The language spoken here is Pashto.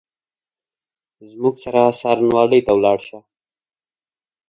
زموږ سره څارنوالۍ ته ولاړ شه !